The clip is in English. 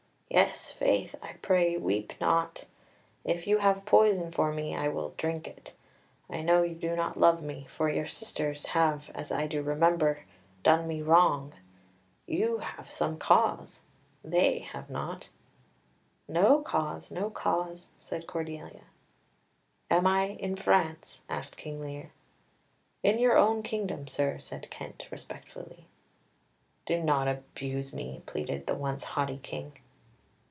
"Yes, faith! I pray, weep not. If you have poison for me, I will drink it. I know you do not love me, for your sisters have, as I do remember, done me wrong. You have some cause; they have not." "No cause, no cause," said Cordelia. "Am I in France?" asked Lear. "In your own kingdom, sir," said Kent respectfully. "Do not abuse me," pleaded the once haughty King.